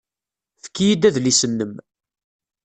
Efk-iyi-d adlis-nnem.